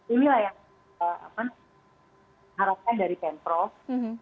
inilah yang harapan dari pemprov